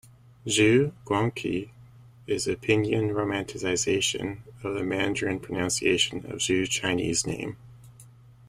Xu Guangqi is the pinyin romanization of the Mandarin pronunciation of Xu's Chinese name.